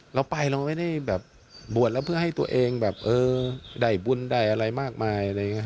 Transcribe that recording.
เราไปเราไม่ได้บวชแล้วเพื่อให้ตัวเองได้บุญได้อะไรมากมาย